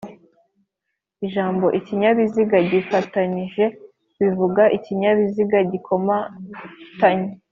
Ijambo "ikinyabiziga gifatanije" bivuga ikinyabiziga gikomatanye